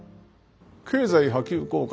経済波及効果